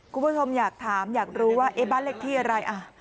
คุณผู้ชมอยากถามอยากรู้ว่าบ้านเลขที่อะไรอ่ะ